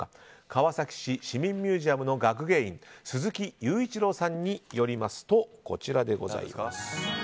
川崎市市民ミュージアムの学芸員鈴木勇一郎さんによりますとこちらでございます。